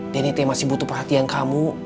denny teh masih butuh perhatian kamu